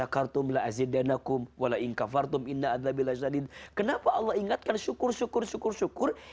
kenapa allah ingatkan syukur syukur syukur syukur